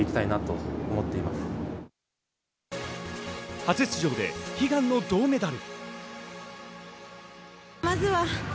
初出場で悲願の銅メダル。